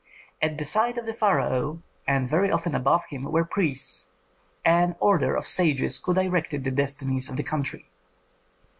At the side of the pharaoh and very often above him were priests, an order of sages who directed the destinies of the country.